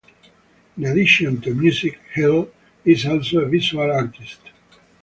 In addition to music, Hill is also a visual artist.